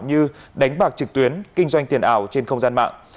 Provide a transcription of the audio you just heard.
như đánh bạc trực tuyến kinh doanh tiền ảo trên không gian mạng